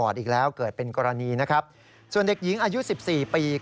ส่วนเด็กหญิงอายุ๑๔ปี